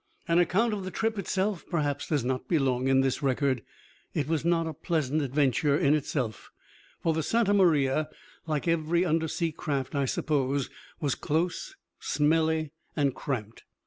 An account of the trip itself, perhaps, does not belong in this record. It was not a pleasant adventure in itself, for the Santa Maria, like every undersea craft, I suppose, was close, smelly, and cramped.